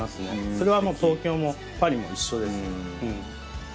それは東京もパリも一緒です。